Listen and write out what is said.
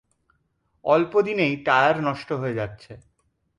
অল্প দিনেই টায়ার নষ্ট হয়ে যাচ্ছে।